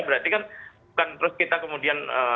berarti kan bukan terus kita kemudian